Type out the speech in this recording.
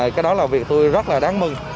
cái đó là việc tôi rất là đáng mừng